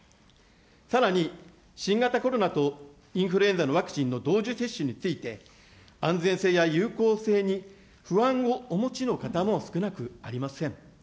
さらに新型コロナとインフルエンザのワクチンの同時接種について、安全性や有効性に不安をお持ちの方も少なくありません。